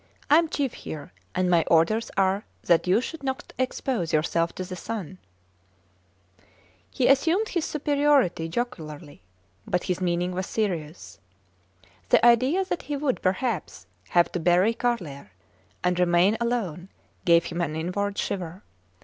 I am chief here, and my orders are that you should not expose yourself to the sun! He assumed his superiority jocularly, but his meaning was serious. The idea that he would, perhaps, have to bury Carlier and remain alone, gave him an inward shiver.